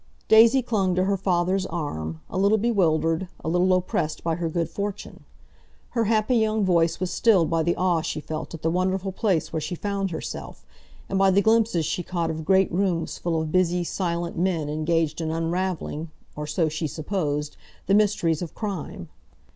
Daisy clung to her father's arm, a little bewildered, a little oppressed by her good fortune. Her happy young voice was stilled by the awe she felt at the wonderful place where she found herself, and by the glimpses she caught of great rooms full of busy, silent men engaged in unravelling—or so she supposed—the mysteries of crime.